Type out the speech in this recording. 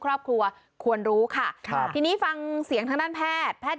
ครอบครัวควรรู้ค่ะครับทีนี้ฟังเสียงทางด้านแพทย์แพทย์